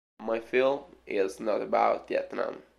My film is not about Vietnam.